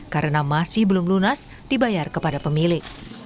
karena masih belum lunas dibayar kepada pemilik